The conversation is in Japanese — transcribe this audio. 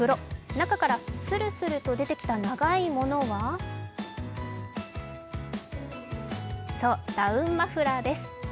中からするすると出てきた長いものはそう、ダウンマフラーです。